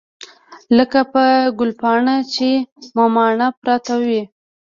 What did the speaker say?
لکه په ګلپاڼه چې مماڼه پرته وي.